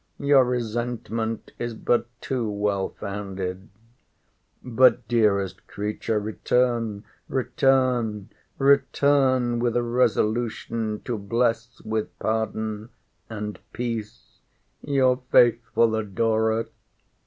Your resentment is but too well founded!—But, dearest creature, return, return, return, with a resolution to bless with pardon and peace your faithful adorer!